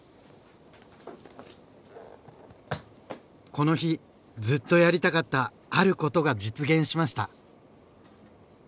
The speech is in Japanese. この日ずっとやりたかった「あること」が実現しました。